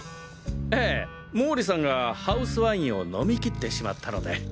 ええ毛利さんがハウスワインを飲み切ってしまったので。